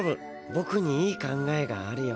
ボクにいい考えがあるよ。